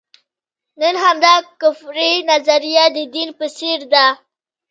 نن همدا کفري نظریه د دین په څېر ده.